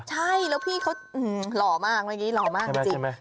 ใช่แล้วพี่เขาหล่อมากเมื่อกี้หล่อมากจริง